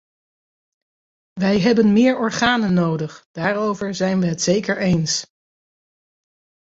Wij hebben meer organen nodig - daarover zijn we het zeker eens.